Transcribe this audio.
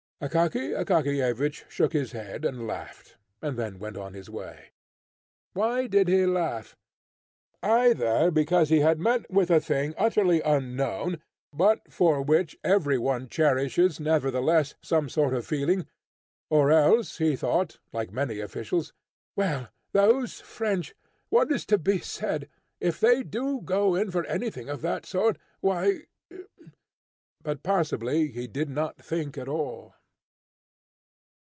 Akaky Akakiyevich shook his head, and laughed, and then went on his way. Why did he laugh? Either because he had met with a thing utterly unknown, but for which every one cherishes, nevertheless, some sort of feeling, or else he thought, like many officials, "Well, those French! What is to be said? If they do go in for anything of that sort, why " But possibly he did not think at all.